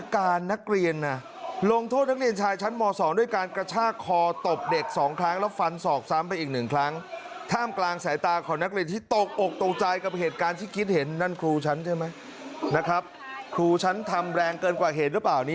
ไม่คิดเห็นนั่นครูฉันใช่ไหมนะครับครูฉันทำแรงเกินกว่าเหตุหรือเปล่านี้